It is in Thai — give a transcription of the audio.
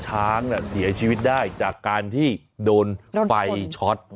ช้างเสียชีวิตได้จากการที่โดนไฟช็อต